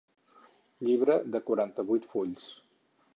Llibre de quaranta-vuit fulls.